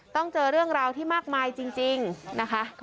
เจอเรื่องราวที่มากมายจริงนะคะ